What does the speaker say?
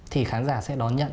thì khán giả sẽ đón nhận